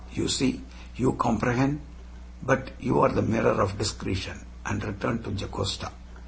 you see you comprehend but you are the mirror of discretion!" and returned to Jocasta.